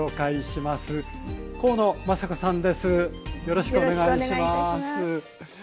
よろしくお願いします。